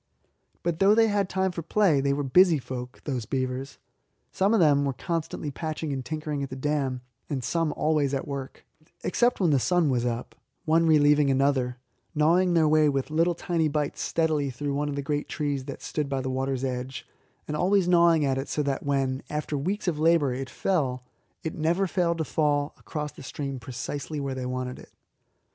But though they had time for play, they were busy folk, the beavers. Some of them were constantly patching and tinkering at the dam, and some always at work, except when the sun was up, one relieving another, gnawing their way with little tiny bites steadily through one of the great trees that stood by the water's edge, and always gnawing it so that when, after weeks of labour, it fell, it never failed to fall across the stream precisely where they wanted it.